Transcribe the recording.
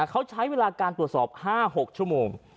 เขาใช้เวลาการตรวจสอบ๕๖ชั่วโมง